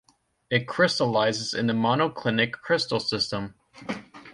It crystallizes in the monoclinic crystal system.